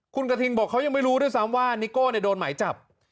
คุณกระทิงบอกเขายังไม่รู้ด้วยซ้ำว่านิโก้โดนหมายจับ